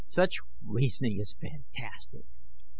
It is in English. Such reasoning is fantastic!